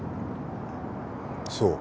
そう。